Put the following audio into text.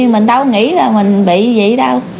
mình đâu nghĩ là mình bị gì đâu